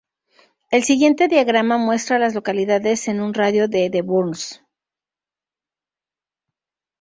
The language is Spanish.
El siguiente diagrama muestra a las localidades en un radio de de Burns.